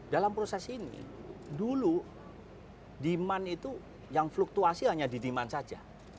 dalam proses ini dulu demand itu yang fluktuasi hanya di demand saja